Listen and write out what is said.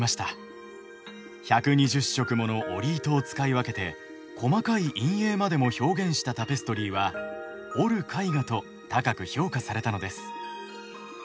１２０色もの織り糸を使い分けて細かい陰影までも表現したタペストリーは「織る絵画」と高く評価されたのです。